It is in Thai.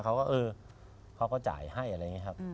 เขาก็จ่ายให้อะไรอย่างนี้ครับ